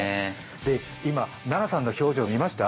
今、奈々さんの表情見ました？